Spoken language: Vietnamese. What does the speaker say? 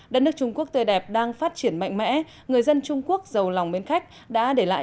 đất nước trung quốc tươi đẹp đang phát triển mạnh mẽ người dân trung quốc giàu lòng mến khách đã để lại